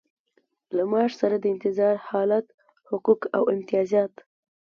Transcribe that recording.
له معاش سره د انتظار حالت حقوق او امتیازات.